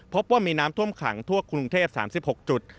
พบว่ามีน้ำท่วมขังทั่วกรุงเทพ๓๖จุด